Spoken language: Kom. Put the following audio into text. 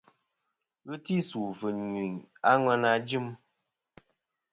Ghɨ ti sù fɨ̀ nyuy a ŋweyn a jɨm.